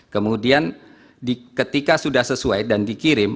kemudian ketika sudah sesuai dan dikirim